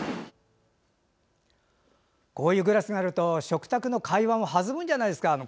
こういうグラスがあると食卓の会話も弾むんじゃないですか。